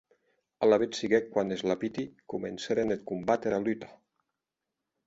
Alavetz siguec quan es lapiti comencèren eth combat e era luta.